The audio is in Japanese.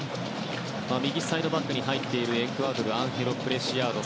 右サイドバックに入っているエクアドルのアンヘロ・プレシアード